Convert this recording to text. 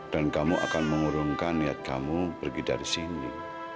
dan kamu akan mengurungkan niat kamu pergi dari sini